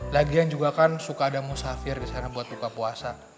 lagian juga kan suka ada musafir di sana buat buka puasa